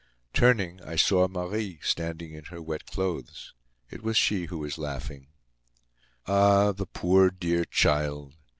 Turning, I saw Marie, standing in her wet clothes. It was she who was laughing. Ah! the poor, dear child!